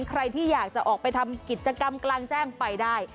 ใครที่อยากจะออกไปทำกิจกรรมกลางแจ้งไปได้